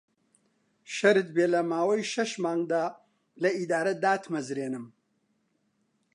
شەرت بێ لە ماوەی شەش مانگدا لە ئیدارە داتمەزرێنم